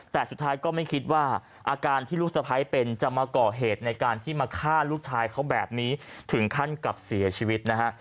แต่สุดท้ายก็ไม่คิดว่าอาการที่ลูกสะพ้ายเป็นจะมาก่อเหตุในการที่มาฆ่าลูกชายเขาแบบนี้ถึงขั้นกับเสียชีวิตนะฮะ